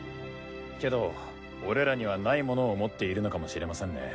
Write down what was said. けど俺らにはないものを持っているのかもしれませんね。